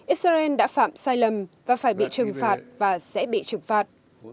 israel đã phạm sai lầm và phải bị trừng phạt và sẽ bị trừng phạt